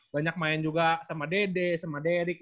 banyak main juga sama dede sama derik